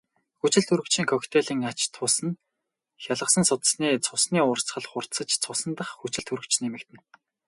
Хүчилтөрөгчийн коктейлийн ач тус нь хялгасан судасны цусны урсгал хурдсаж цусан дахь хүчилтөрөгч нэмэгдэнэ.